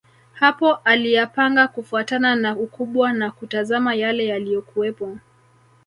Hapo aliyapanga kufuatana na ukubwa na kutazama yale yaliyokuwepo